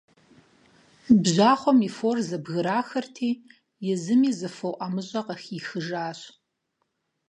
Бжьахъуэм и фор зэбграхырти, езыми зы фо ӀэмыщӀэ къыхихыжащ.